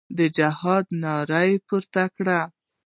د جهاد ناره پورته کړه.